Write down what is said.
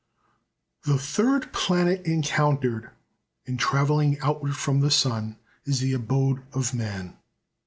The third planet encountered in travelling outward from the sun is the abode of man.